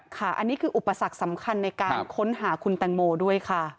ค่ะอันนี้คืออุปสรรคสำคัญในการค้นหาคุณแตงโมด้วยค่ะ